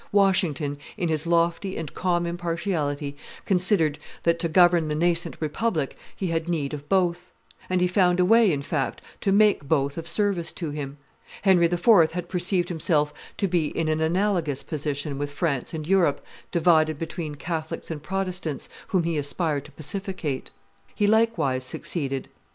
Washington, in his lofty and calm impartiality, considered that, to govern the nascent republic, he had need of both; and he found a way, in fact, to make both of service to him. Henry IV. had perceived himself to be in an analogous position with France and Europe divided between Catholics and Protestants, whom he aspired to pacificate. He likewise succeeded.